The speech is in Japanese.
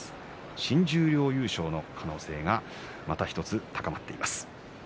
新十両優勝の可能性がまた１つ高まっています。